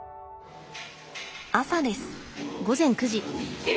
朝です。